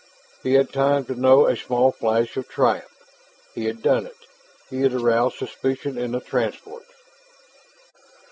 He had time to know a small flash of triumph. He had done it; he had aroused suspicion in the transport.